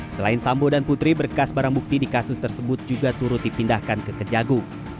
selain sambo dan putri berkas barang bukti di kasus tersebut juga turut dipindahkan ke kejagung